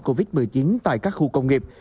covid một mươi chín tại các khu công nghiệp